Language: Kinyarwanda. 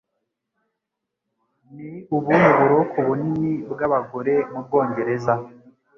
Ni ubuhe buroko bunini bw'abagore mu Bwongereza?